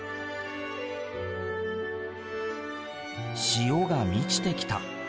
潮が満ちてきた。